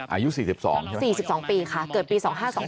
อายุ๔๒ใช่ไหม๔๒ปีค่ะเกิดปี๒๕๒๒